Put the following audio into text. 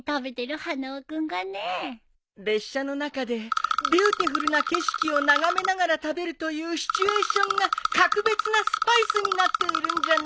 列車の中でビューティフルな景色を眺めながら食べるというシチュエーションが格別なスパイスになっているんじゃないかな。